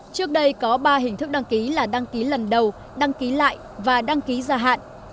trước đây có ba hình thức đăng ký là đăng ký lần đầu đăng ký lại và đăng ký gia hạn